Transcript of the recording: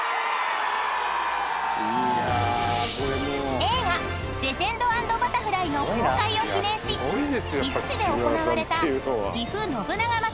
［映画『レジェンド＆バタフライ』の公開を記念し岐阜市で行われた］